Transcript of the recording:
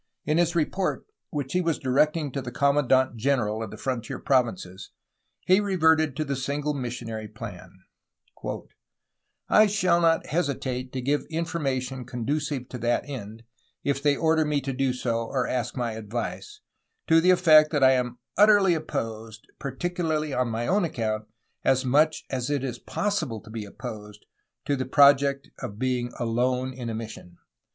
In his report, which he was directing to the commandant general of the frontier provinces, he reverted to the single missionary plan: "I shall not hesitate to give information conducive to that end, if they order me to do so or ask my advice, to the effect that I am utterly opposed, particularly on my own account, as much as it is possible to be opposed, to the project of being alone in a mission.